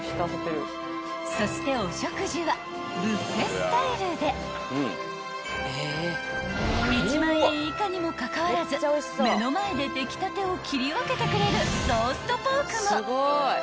［そしてお食事はブッフェスタイルで１万円以下にもかかわらず目の前で出来たてを切り分けてくれるローストポークも］